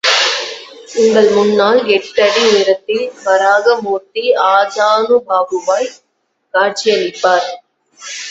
உங்கள் முன்னால் எட்டடி உயரத்தில் வராகமூர்த்தி ஆஜானுபாகுவாய் காட்சியளிப்பார்.